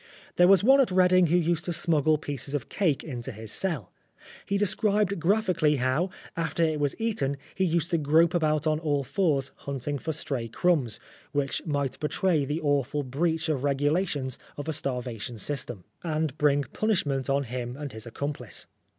There was one at Reading who used to smuggle pieces of cake into his cell. He described graphically how, after it was eaten, he used to grope about on all fours hunting for stray 225 15 Oscar Wilde crumbs, which might betray the awful breach of regulations of a starvation system, and bring punishment on him and on his accom plice.